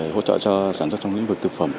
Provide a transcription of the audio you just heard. hỗ trợ cho sản xuất trong lĩnh vực thực phẩm